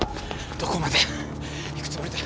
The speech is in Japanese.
どこまで行くつもりだ。